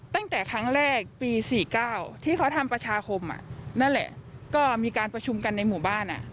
ตั้งแต่ครั้งแรกปี๔๙ที่เขาทำประชาคมนั่นแหละก็มีการประชุมกันในหมู่บ้าน